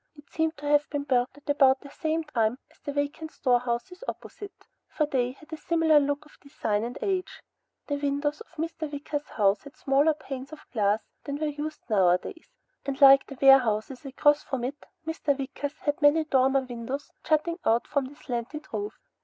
It seemed to have been built at about the same time as the vacant storehouses opposite, for they had a similar look of design and age. The windows of Mr. Wicker's house had smaller panes of glass than were used nowadays, and like the warehouses across from it, Mr. Wicker's had many dormer windows jutting out from the slated roof.